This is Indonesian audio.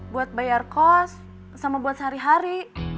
buat bayar kos sama buat sehari hari